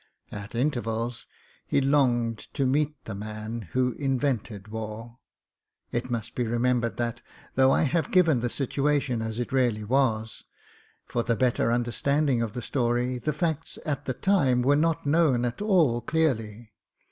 At intervals he longed to meet the man who invented war. It must be remembered that, though I have given the situation as it really was, for the better understanding of the story, the facts at the time were not known at all clearly.